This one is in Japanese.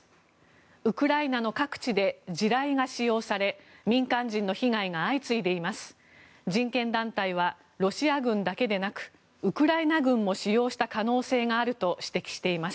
ウクライナの各地で地雷が使用され民間人の被害が相次いでいます。